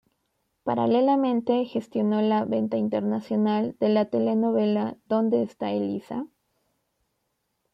Paralelamente gestionó la venta internacional de la telenovela "¿Dónde está Elisa?".